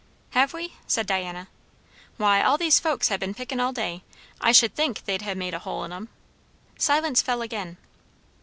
"Have we?" said Diana. "Why, all these folks ha' been pickin' all day; I should think they'd ha' made a hole in 'em." Silence fell again.